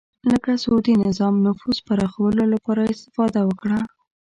لکه سعودي نظام نفوذ پراخولو لپاره استفاده وکړه